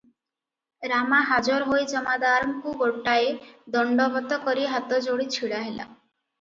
ରାମା ହାଜର ହୋଇ ଜମାଦାରଙ୍କୁ ଗୋଟାଏ ଦଣ୍ଡବତ କରି ହାତ ଯୋଡି ଛିଡା ହେଲା ।